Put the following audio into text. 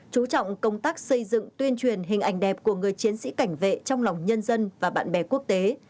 chú trọng công tác xây dựng tuyên truyền hình ảnh đẹp của người chiến sĩ cảnh vệ trong lòng nhân dân và bạn bè quốc tế